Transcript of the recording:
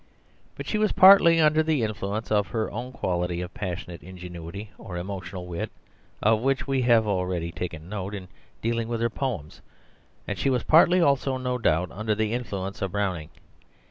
But she was partly under the influence of her own quality of passionate ingenuity or emotional wit of which we have already taken notice in dealing with her poems, and she was partly also no doubt under the influence of Browning.